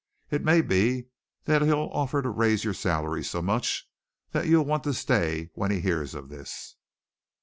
"It may be that he'll offer to raise your salary so much that you'll want to stay when he hears of this."